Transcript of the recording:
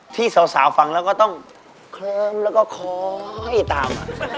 ที่สาวฟังแล้วก็ต้องเคลิ้มแล้วก็คอยตาม